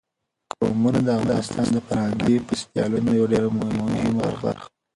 قومونه د افغانستان د فرهنګي فستیوالونو یوه ډېره مهمه برخه ده.